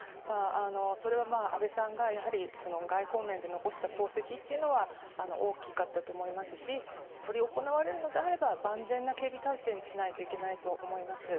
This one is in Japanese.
それは安倍さんが外交面で残した功績は大きかったと思いますし執り行われるなら万全な警備体制にしないといけないと思います。